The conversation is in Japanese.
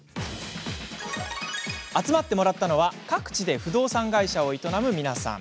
集まってもらったのは各地で不動産会社を営む皆さん。